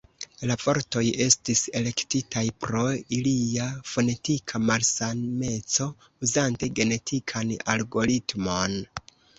La vortoj estis elektitaj pro ilia fonetika malsameco uzante genetikan algoritmon.